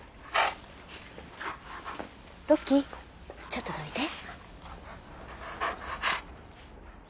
ちょっとどいて。